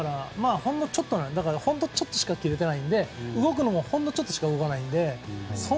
だから、ほんのちょっとしか切れていないので動くのも、ほんのちょっとしか動かないので。